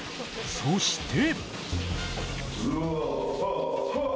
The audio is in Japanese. そして。